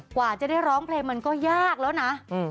กว่าจะได้ร้องเพลงมันก็ยากแล้วนะ